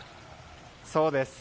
そうです。